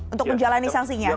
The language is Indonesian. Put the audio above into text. untuk menjalani sanksinya